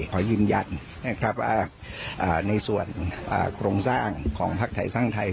ขอยืนยันในส่วนโครงสร้างของภักดิ์ไทยสร้างไทย